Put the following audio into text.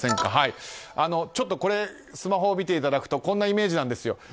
スマホを見ていただくとこんなイメージなんですよ。